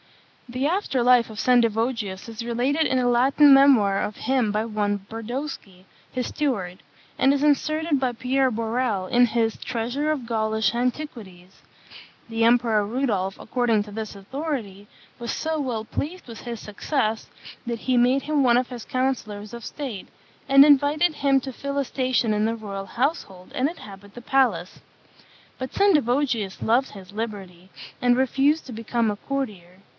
The after life of Sendivogius is related in a Latin memoir of him by one Brodowski, his steward; and is inserted by Pierre Borel in his Treasure of Gaulish Antiquities. The Emperor Rudolph, according to this authority, was so well pleased with his success, that he made him one of his councillors of state, and invited him to fill a station in the royal household and inhabit the palace. But Sendivogius loved his liberty, and refused to become a courtier.